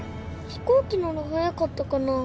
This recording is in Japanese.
飛行機なら早かったかな？